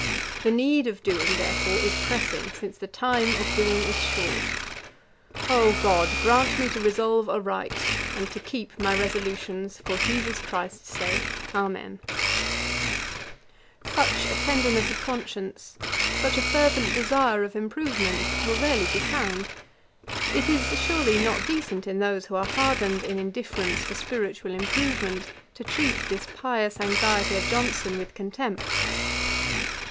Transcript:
The need of doing, therefore, is pressing, since the time of doing is short. 0 GOD, grant me to resolve aright, and to keep my resolutions, for JESUS CHRIST'S sake. Amen.' Such a tenderness of conscience, such a fervent desire of improvement, will rarely be found. It is, surely, not decent in those who are hardened in indifference to spiritual improvement, to treat this pious anxiety of Johnson with contempt.